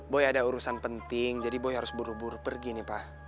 boy ada urusan penting jadi boy harus buru buru pergi nih pak